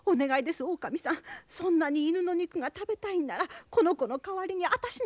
そんなに犬の肉が食べたいんならこの子の代わりに私の肉を。